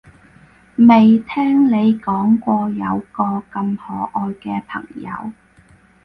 未聽你講過有個咁可愛嘅朋友